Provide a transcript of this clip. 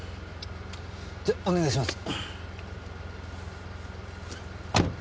じゃお願いします。